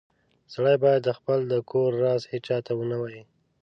سړی باید خپل د کور راز هیچاته و نه وایې